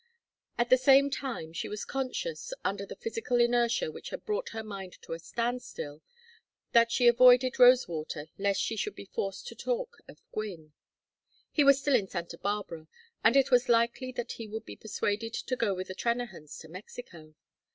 At the same time she was conscious, under the physical inertia which had brought her mind to a standstill, that she avoided Rosewater lest she should be forced to talk of Gwynne. He was still in Santa Barbara, and it was likely that he would be persuaded to go with the Trennahans to Mexico.